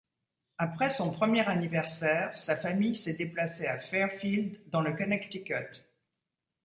Après son premier anniversaire, sa famille s'est déplacée à Fairfield, dans le Connecticut.